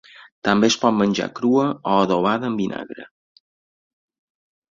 També es pot menjar crua o adobada en vinagre.